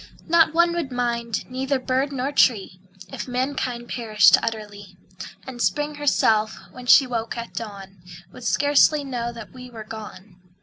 Not one would mind, neither bird nor tree If mankind perished utterly; And Spring herself, when she woke at dawn, Would scarcely know that we were gone.